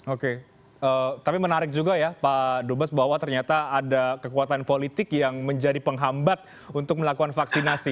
oke tapi menarik juga ya pak dubes bahwa ternyata ada kekuatan politik yang menjadi penghambat untuk melakukan vaksinasi